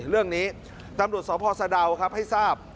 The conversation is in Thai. เรื่องนี้ตำรวจสพสะดาวครับให้ทราบ